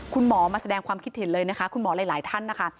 คุณหมอมาแสดงความคิดเห็นเลยนะคะคุณหมอหลายท่านนะคะ